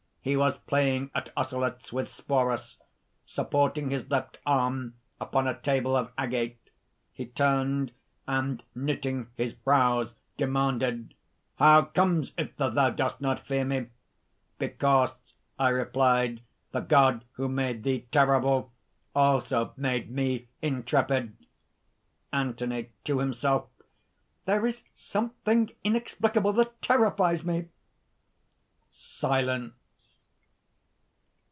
He was playing at osselets with Sporus, supporting his left arm upon a table of agate. He turned and, knitting his brows, demanded: 'How comes it that thou dost not fear me?' 'Because,' I replied, 'the God who made thee terrible, also made me intrepid." ANTHONY (to himself). "There is something inexplicable that terrifies me!" (_Silence.